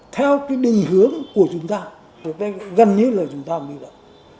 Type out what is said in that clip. theo cái định hướng của chúng ta gần như là chúng ta mới được